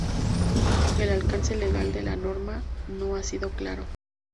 El alcance legal de la norma no ha sido claro.